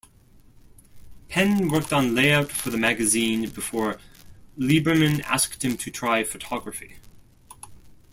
Penn worked on layout for the magazine before Liberman asked him to try photography.